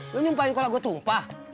lo nyumpain kolak gue tumpah